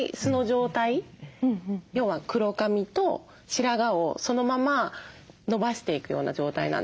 要は黒髪と白髪をそのまま伸ばしていくような状態なんですよ。